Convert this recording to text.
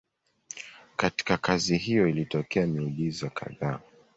Katika kazi hiyo ilitokea miujiza kadhaa.